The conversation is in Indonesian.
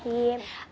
jadi ada panggilan